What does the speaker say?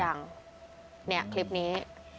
ยังเนี่ยคลิปนี้